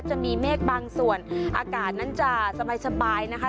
จะมีเมฆบางส่วนอากาศนั้นจะสบายนะคะ